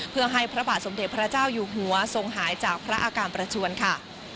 เพื่อให้พระบาทสมเด็จพระเจ้าอยู่หัวทรงหายจากพระอาการประชวนค่ะ